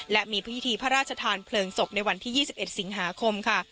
และมีพิธีพระราชทานเพลิงศพในวันที่๒๑สิงหาคมค่ะ